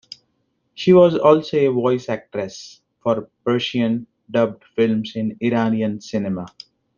She was also a voice actress for Persian-dubbed films in Iranian cinema.